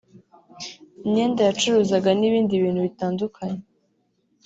imyenda yacuruzaga n’ibindi bintu bitandukanye